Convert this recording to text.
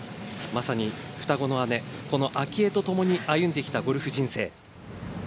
まさに双子の姉この明愛とともに歩んできたゴルフ人生。